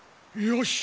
よし！